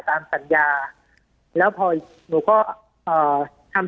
ปากกับภาคภูมิ